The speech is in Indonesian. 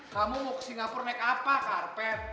kamu mau ke singapura naik apa karpet